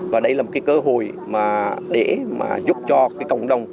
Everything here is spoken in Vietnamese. và đây là một cơ hội để giúp cho cộng đồng